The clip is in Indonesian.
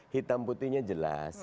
hitam putihnya jelas